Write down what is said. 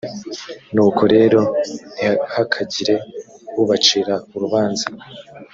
nuko rero ntihakagire ubacira urubanza.